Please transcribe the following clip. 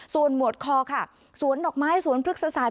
ส่วนหมวดคอค่ะสวนดอกไม้สวนพฤกษา